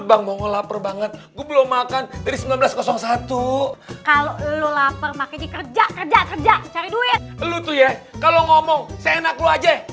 kalau lu laper makanya kerja kerja kerja cari duit lu tuh ya kalau ngomong saya enak lu aja